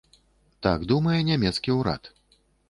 Так думае нямецкі ўрад.